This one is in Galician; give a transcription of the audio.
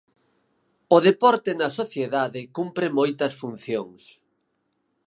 O deporte na sociedade cumpre moitas funcións.